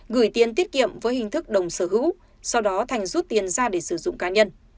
gửi tiền tiết kiệm với hình thức đồng sở hữu sau đó thành rút tiền ra để sử dụng cá nhân